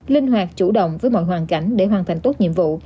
linh hoạt chủ động với mọi hoàn cảnh để hoàn thành tốt nhiệm vụ